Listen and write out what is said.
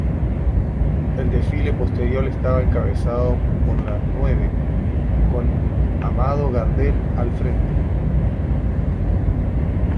El desfile posterior estaba encabezado por La Nueve, con Amado Granell al frente.